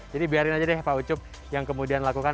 jadi biarin aja deh pak ucup yang kemudian lakukan